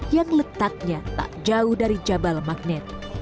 yang letaknya tak jauh dari jabal magnet